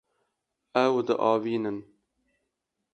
Ew diavînin.